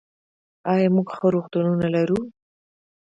آیا موږ ښه روغتونونه لرو؟